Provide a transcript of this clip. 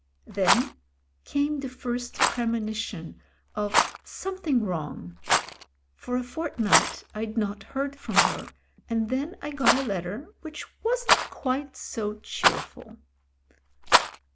Then came the first premonition of something wrong. For a fortnight I'd not heard from her, and then I got a letter which wasn't quite so cheerful.